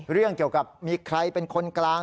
เรื่องเกี่ยวกับมีใครเป็นคนกลาง